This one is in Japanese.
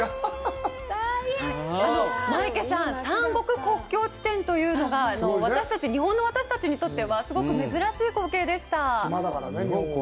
マイケさん、三国国境地点というのが、日本の私たちにとってはすごく珍しい光景でした。